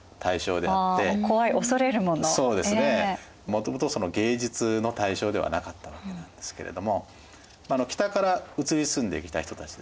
もともと芸術の対象ではなかったわけなんですけれども北から移り住んできた人たちですね